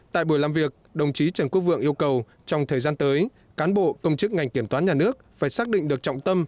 tại buổi làm việc đồng chí trần quốc vượng yêu cầu trong thời gian tới cán bộ công chức ngành kiểm toán nhà nước phải xác định được trọng tâm